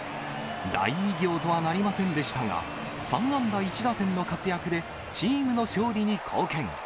大偉業とはなりませんでしたが、３安打１打点の活躍で、チームの勝利に貢献。